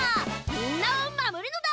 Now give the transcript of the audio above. みんなをまもるのだ！